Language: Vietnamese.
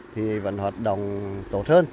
thì vẫn hoạt động tốt hơn